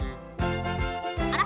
あら？